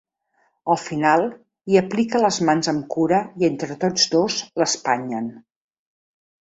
Al final hi aplica les mans amb cura i entre tots dos l'espanyen.